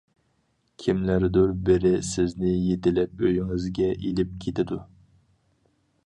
كىملەردۇر بىرى سىزنى يېتىلەپ ئۆيىڭىزگە ئېلىپ كېتىدۇ.